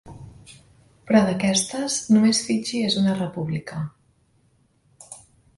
Però d'aquests, només Fiji és una república.